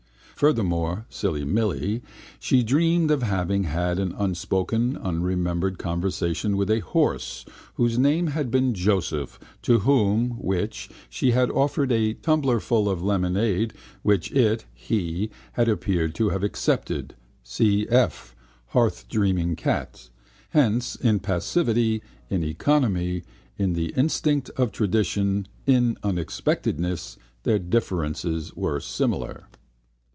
Furthermore, silly Milly, she dreamed of having had an unspoken unremembered conversation with a horse whose name had been Joseph to whom (which) she had offered a tumblerful of lemonade which it (he) had appeared to have accepted (cf hearthdreaming cat). Hence, in passivity, in economy, in the instinct of tradition, in unexpectedness, their differences were similar.